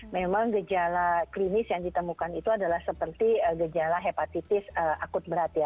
memang gejala klinis yang ditemukan itu adalah seperti gejala hepatitis akut berat ya